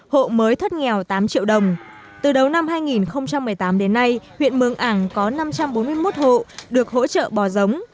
hộ mới thoát nghèo tám triệu đồng từ đầu năm hai nghìn một mươi tám đến nay huyện mường ảng có năm trăm bốn mươi một hộ được hỗ trợ bò giống